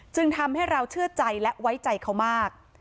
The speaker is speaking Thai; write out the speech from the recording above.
ทำให้เราเชื่อใจและไว้ใจเขามาก